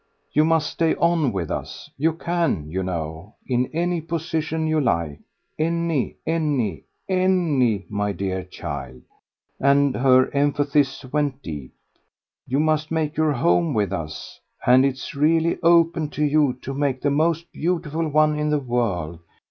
"You must stay on with us; you CAN, you know, in any position you like; any, any, ANY, my dear child" and her emphasis went deep. "You must make your home with us; and it's really open to you to make the most beautiful one in the world.